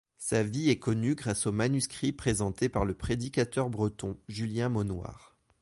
Sa vie est connue grâce au manuscrit présenté par le prédicateur breton Julien Maunoir.